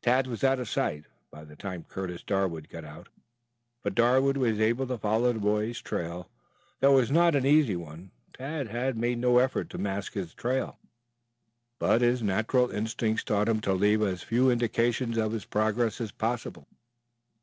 Tad was out of sight by the time Curtis Darwood got out, but Darwood was able to follow the boy's trail, though it was not an easy one. Tad had made no effort to mask his trail, but his natural instincts taught him to leave as few indications of his progress as possible.